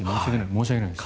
申し訳ないです。